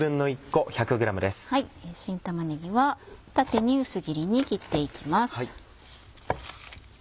新玉ねぎは縦に薄切りに切っていきます。